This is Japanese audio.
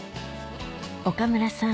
岡村さん